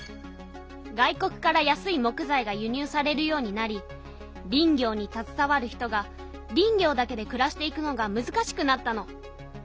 外国から安い木材がゆ入されるようになり林業にたずさわる人が林業だけでくらしていくのがむずかしくなったの。